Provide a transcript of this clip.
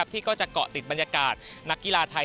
ที่ก็จะเกาะติดบรรยากาศนักกีฬาไทย